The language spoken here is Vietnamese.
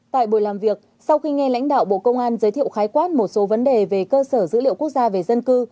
tại buổi làm việc sau khi nghe lãnh đạo bộ công an giới thiệu khái quát một số vấn đề về cơ sở dữ liệu quốc gia về dân cư